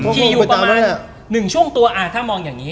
คียูประมาณนึงช่วงตัวถ้ามองอย่างงี้